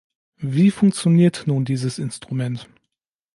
Wie funktioniert nun dieses Instrument?